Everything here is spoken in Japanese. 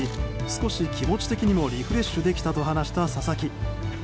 少し気持ち的にもリフレッシュできたと話した佐々木。